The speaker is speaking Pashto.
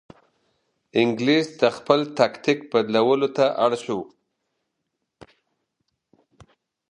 انګلیس د خپل تاکتیک بدلولو ته اړ شو.